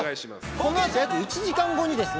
このあと約１時間後にですね